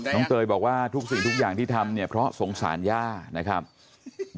เตยบอกว่าทุกสิ่งทุกอย่างที่ทำเนี่ยเพราะสงสารย่านะครับ